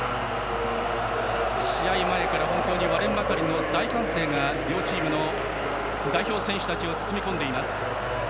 試合前から割れんばかりの大歓声が両チームの代表選手たちを包み込んでいます。